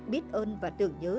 biết ơn và tưởng nhớ